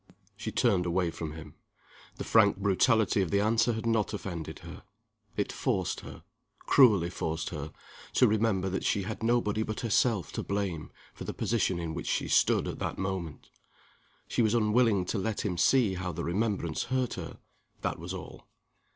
She turned away from him. The frank brutality of the answer had not offended her. It forced her, cruelly forced her, to remember that she had nobody but herself to blame for the position in which she stood at that moment. She was unwilling to let him see how the remembrance hurt her that was all.